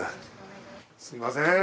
すみません